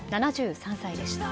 ７３歳でした。